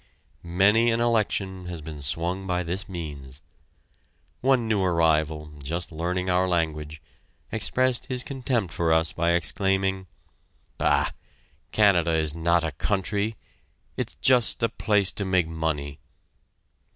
Many an election, has been swung by this means. One new arrival, just learning our language, expressed his contempt for us by exclaiming: "Bah! Canada is not a country it's just a place to make money."